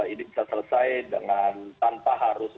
ini bisa selesai dengan tanpa harus